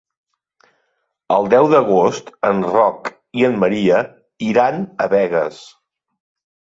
El deu d'agost en Roc i en Maria iran a Begues.